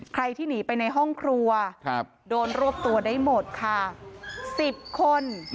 ใครที่หนีไปในห้องครัวโดนรวบตัวได้หมดค่ะ๑๐คน